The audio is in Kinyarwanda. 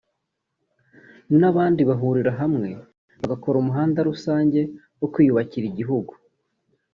n’abandi bahurira hamwe bagakora umuganda rusange wo kwiyubakira igihugu